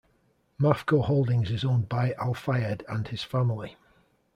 Mafco Holdings is owned by Al-Fayed and his family.